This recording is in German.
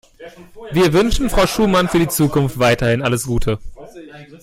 Wir wünschen Frau Schumann für die Zukunft weiterhin alles Gute.